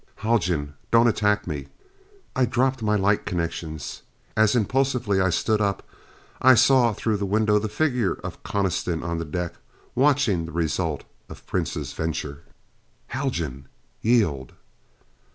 "Haljan! Don't attack me." I dropped my light connections. As impulsively I stood up, I saw through the window the figure of Coniston on the deck watching the result of Prince's venture. "Haljan yield."